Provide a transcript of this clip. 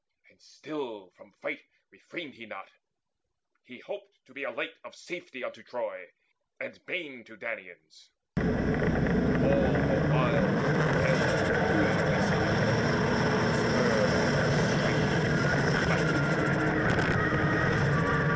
And still from fight refrained he not; he hoped To be a light of safety unto Troy And bane to Danaans. But all the while Stood baleful Doom beside him, and spurred on To strife, with flattering smile.